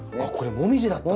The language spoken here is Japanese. モミジだったんだ！